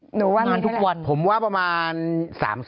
หนูว่ามีเท่าไหร่งานทุกวันผมว่าประมาณ๓๐ล้าน